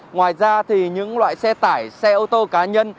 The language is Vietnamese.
ngoài ra thì những loại xe tải xe ô tô cá nhân